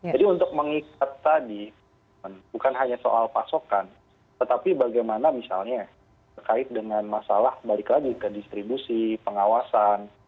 jadi untuk mengikat tadi bukan hanya soal pasokan tetapi bagaimana misalnya terkait dengan masalah balik lagi ke distribusi pengawasan